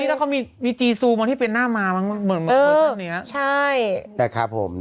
นี่ก็เขามีจีซูมว่าที่เป็นหน้ามามันเหมือนเหมือนคนข้างเนี้ย